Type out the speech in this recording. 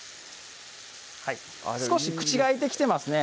はい少し口が開いてきてますね